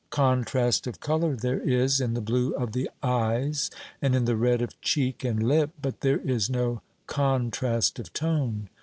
Contrast of colour there is, in the blue of the eyes, and in the red of cheek and lip, but there is no contrast of tone.